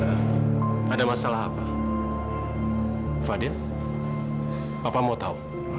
apa mau tahu